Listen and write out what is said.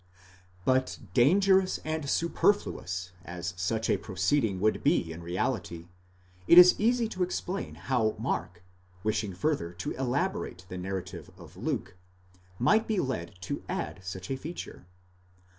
But dangerous and superfluous as such a proceeding would be in reality, it is easy to explain how Mark, wishing further to elaborate the narrative of Luke, might be led to add such a feature.